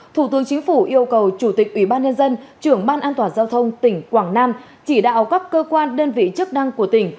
thủ tướng chính phủ yêu cầu chủ tịch ủy ban nhân dân trưởng ban an toàn giao thông tỉnh quảng nam chỉ đạo các cơ quan đơn vị chức năng của tỉnh